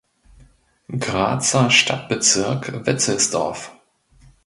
Grazer Stadtbezirk Wetzelsdorf.